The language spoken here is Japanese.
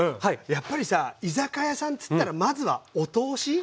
やっぱりさ居酒屋さんつったらまずはお通し。